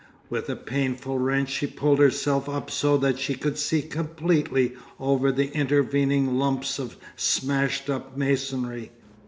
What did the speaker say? With a painful wrench she pulled herself up so that she could see completely over the intervening lumps of smashed up masonry.